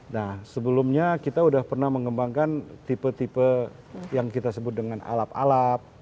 nah sebelumnya kita sudah pernah mengembangkan tipe tipe yang kita sebut dengan alap alap